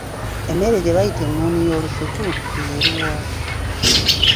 Emmere gye bayita ennuuni y’olusuku y'eruwa?